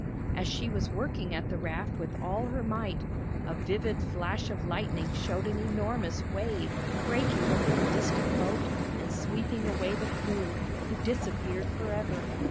As she was working at the raft with all her might, a vivid flash of lightning showed an enormous wave breaking over the distant boat and sweeping away the crew, who disappeared for ever.